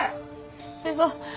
それは。